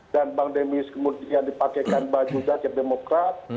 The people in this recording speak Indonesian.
dan bang dennis kemudian dipakaikan baju dajjal demokrat